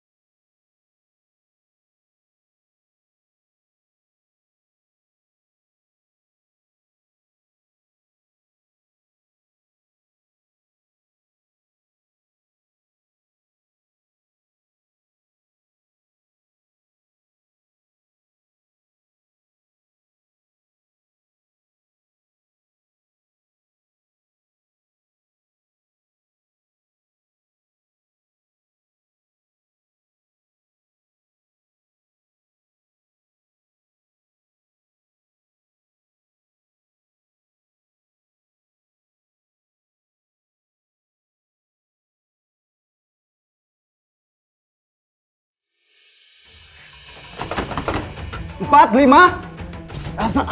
todah mau pergi earth